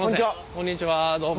こんにちはどうも。